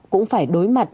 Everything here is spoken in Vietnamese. cũng phải đối mặt